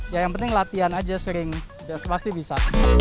ya yang penting latihan aja sering pasti bisa